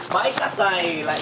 máy cắt giày